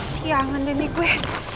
siangan deh nih gue